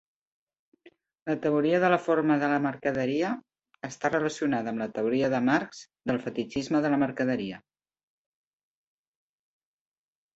La teoria de la forma de la mercaderia està relacionada amb la teoria de Marx del fetitxisme de la mercaderia.